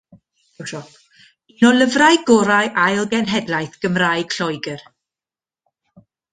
Un o lyfrau gorau ail genhedlaeth Gymraeg Lloegr.